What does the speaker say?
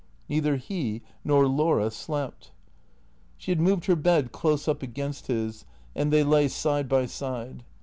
Neither he nor Laura slept. 514 THECREATOES She had moved her bed close up against his, and they lay side by side.